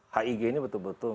hig ini betul betul